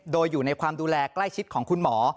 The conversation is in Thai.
โดยอยู่ในความดูแลใกล้ชิดของคุณหมอ